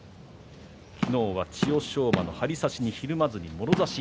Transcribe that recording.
昨日は千代翔馬の張り差しにひるまずにもろ差し。